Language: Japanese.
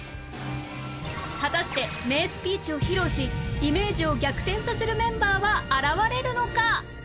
果たして名スピーチを披露しイメージを逆転させるメンバーは現れるのか？